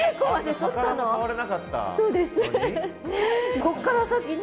そうです。